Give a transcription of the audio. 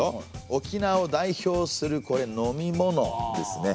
沖縄を代表するこれ飲み物ですね。